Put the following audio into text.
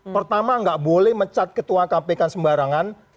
pertama gak boleh mencat ketua kpk sembarangan